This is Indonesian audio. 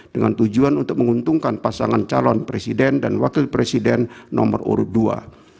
dengan tujuan untuk menguntungkan pasangan calon presiden dan wakil presiden nomor urut dua